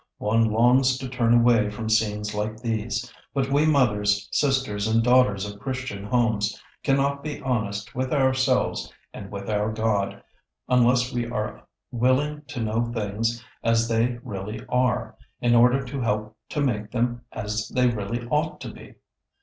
One longs to turn away from scenes like these, but we mothers, sisters, and daughters of Christian homes cannot be honest with ourselves and with our God, unless we are willing to know things as they really are, in order to help to make them as they really ought to be.